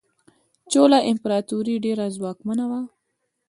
چولا امپراتوري ډیره ځواکمنه وه.